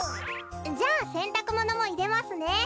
じゃあせんたくものもいれますね。